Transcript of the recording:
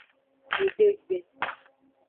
Jidegbe.